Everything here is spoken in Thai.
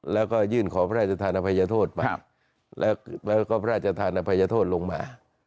แล้วก็ยื่นขอพระราชธานอภัยโทษไปแล้วก็พระราชธานอภัยโทษลงมา